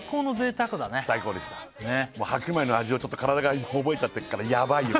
最高でした白米の味をちょっと体が今覚えちゃってるからヤバイよ